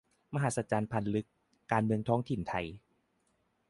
มหัศจรรย์พันลึก การเมืองท้องถิ่นไทย